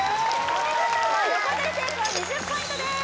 お見事横取り成功２０ポイントです